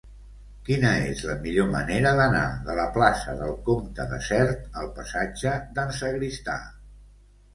Quina és la millor manera d'anar de la plaça del Comte de Sert al passatge d'en Sagristà?